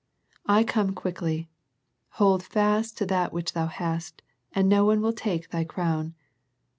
I come quickly: hold fast that which thou hast, that no one take thy crown.